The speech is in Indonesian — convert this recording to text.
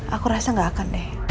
aku rasa gak akan deh